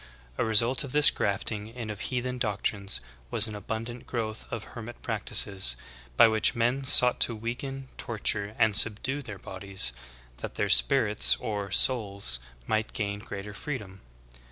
A result of this grafting in of heathen doctrines was an abundant growth of hermit practices, by which men sought to weaken, torture, and subdue their bodies, that their spirits or "souls" might gain greater freedom.